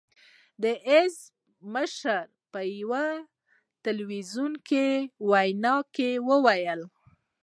د حزب الله مشر په يوه ټلويزیوني وينا کې ويلي